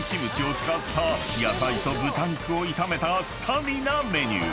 ［野菜と豚肉を炒めたスタミナメニュー］